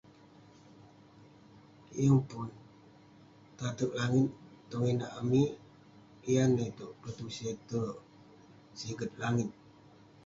yeng pun. tateg langit tong inak amik, yan neh itouk. Petuseh terk. siget langit.